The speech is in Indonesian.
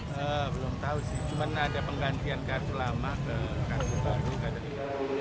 belum tahu sih cuma ada penggantian kartu lama ke kartu baru